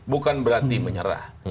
bukan berarti menyerah